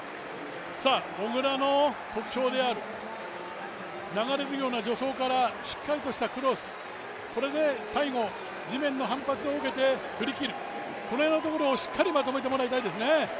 小椋の特徴である流れるような助走からしっかりとしたクロス、これで最後地面の反発を受けて振り切る、この辺のところをしっかりまとめてもらいたいですね。